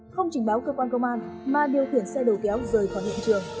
không trình báo cơ quan công an mà điều khiển xe đầu kéo rời khỏi hiện trường